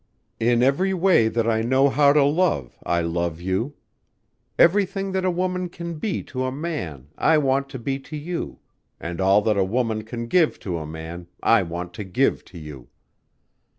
"In every way that I know how to love, I love you! Everything that a woman can be to a man I want to be to you and all that a woman can give to a man, I want to give to you."